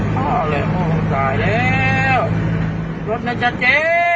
พ่อเลยพ่อตายแล้วรถนะจ๊ะเจ๊